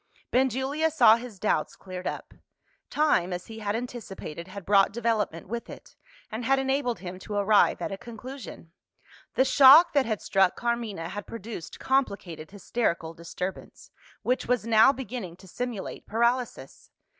Benjulia saw his doubts cleared up: time (as he had anticipated) had brought development with it, and had enabled him to arrive at a conclusion. The shock that had struck Carmina had produced complicated hysterical disturbance, which was now beginning to simulate paralysis.